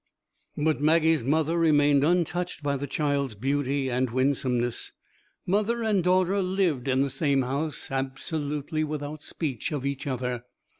But Maggie's mother remained untouched by the child's beauty and winsomeness. Mother and daughter lived in the same house absolutely without speech of each other.